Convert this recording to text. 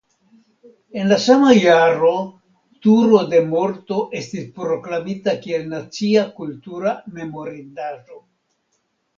En la sama jaro Turo de morto estis proklamita kiel nacia kultura memorindaĵo.